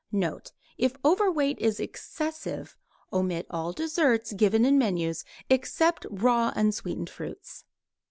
Note: If overweight is excessive omit all desserts given in menus except raw unsweetened fruits.